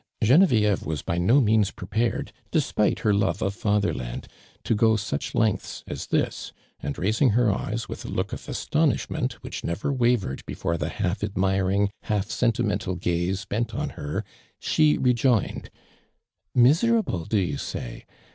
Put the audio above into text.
'" Genevieve was liy no means prei)aretl. despite her love of i'atherland, to go such lengths as this, and raising her eyes with a look of astonishment, which never wavered before the half admiiing, half sentimental gaze bent on liei', s)ie rejoinetl :." Miserable do you siiy